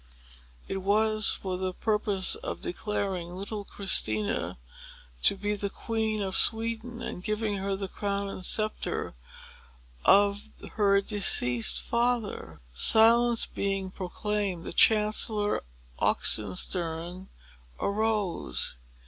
It was for the purpose of declaring little Christina to be Queen of Sweden, and giving her the crown and sceptre of her deceased father. Silence being proclaimed, the Chancellor Oxenstiern arose.